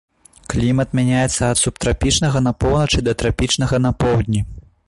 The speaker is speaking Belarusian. Клімат мяняецца ад субтрапічнага на поўначы да трапічнага на поўдні.